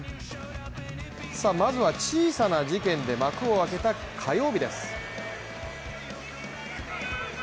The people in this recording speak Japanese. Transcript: まずは小さな事件で幕を開けた火曜日です。